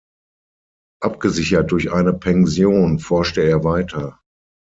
Abgesichert durch eine Pension forschte er weiter.